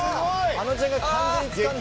あのちゃんが完全につかんだ！